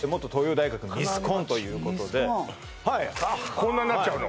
こんなになっちゃうの？